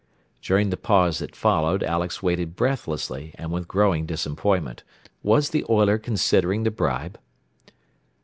During the pause that followed Alex waited breathlessly, and with growing disappointment. Was the oiler considering the bribe?